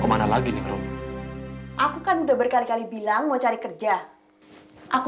aku akan melayanimu